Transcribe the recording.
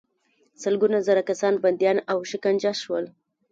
سلګونه زره کسان بندیان او شکنجه شول.